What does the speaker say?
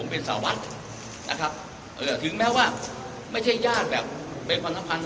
อีกอย่างเท่ากันนะครับถึงแม้ว่าไม่ใช่ญาติแบบเป็นความสำคัญ